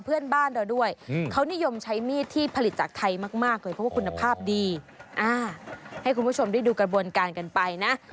เพื่อนบ้านแล้วด้วยเขานิยมใช้มีดที่ผลิตจากไทยมากเขาคุณภาพดีอ่าให้คุณผู้ชมดูกระบวนการกันไปนะ